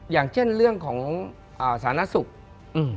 อย่างเจ็นเรื่องของสนาธิสุพธิ์